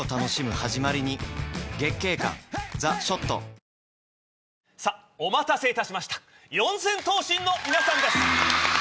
続いてはさぁお待たせいたしました四千頭身の皆さんです。